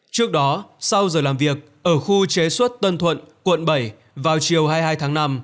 trước đó sau giờ làm việc ở khu chế xuất tân thuận quận bảy vào chiều hai mươi hai tháng năm